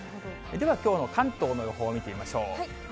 ではきょうの関東の予報見てみましょう。